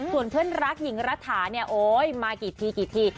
ส่วนเพื่อนรักหญิงรถาเนี่ยโอ้ยมากี่ที